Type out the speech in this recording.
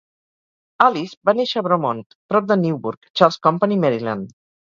Alice va néixer a "Bromont", prop de Newburg, Charles Company, Maryland.